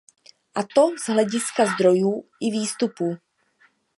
A to z hlediska zdrojů i výstupů.